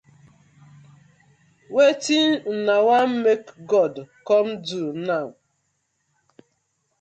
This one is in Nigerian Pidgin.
Wetin una wan mek God com do naw?